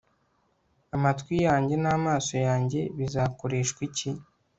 Amatwi yanjye namaso yanjye bizakoreshwa iki